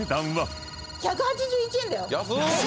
１８１円だよ。